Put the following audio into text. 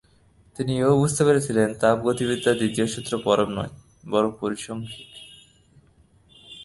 তিনি এও বুঝতে পেরেছিলেন, তাপগতিবিদ্যার দ্বিতীয় সূত্র পরম নয়, বরং পরিসাংখ্যিক।